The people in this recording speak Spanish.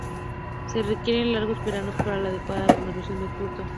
Se requieren largos veranos para la adecuada maduración del fruto.